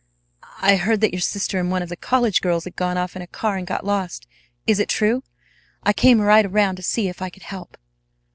"I heard that your sister and one of the college girls had gone off in a car and got lost. Is it true? I came right around to see if I could help."